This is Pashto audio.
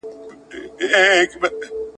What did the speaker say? نن سبا چي څوک د ژوند پر لار ځي پلي ,